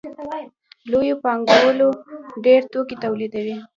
لویو پانګوالو ډېر توکي تولیدول